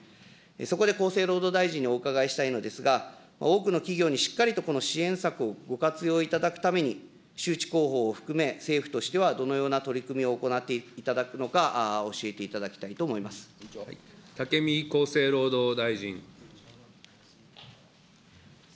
そこで厚生労働大臣にお伺いしたいのですが、多くの企業にしっかりとこの支援策をご活用いただくために、周知、広報を含め、政府としてはどのような取り組みを行っていただくのか教えていた武見厚生労働大臣。